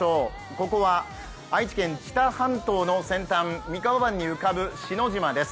ここは愛知県・知多半島の先端三河湾に浮かぶ篠島です。